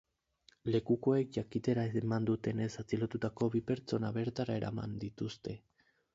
Lekukoek jakitera eman dutenez atxilotutako bi pertsona bertara eraman dituzte.